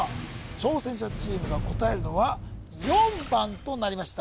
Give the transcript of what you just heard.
挑戦者チームが答えるのは４番となりました